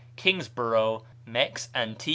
(Kingsborough, "Mex. Antiq.